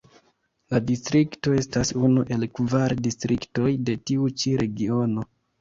La distrikto estas unu el kvar distriktoj de tiu ĉi regiono.